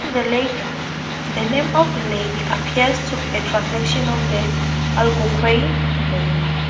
The name of the lake appears to be a translation of the Algonquian name.